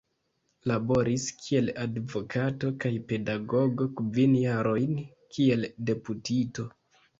Laboris kiel advokato kaj pedagogo, kvin jarojn kiel deputito.